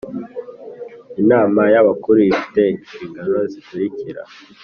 Inama y Abakuru ifite inshingano zikurikira